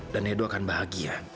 dan edo akan bahagia